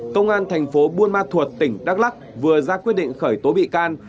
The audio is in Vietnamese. công an thành phố buôn ma thuột tỉnh đắk lắc vừa ra quyết định khởi tố bị can